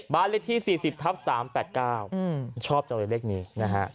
บ้านเลขที่๔๐๓๘๙ชอบเจ้าเหล็กนี้นะฮะ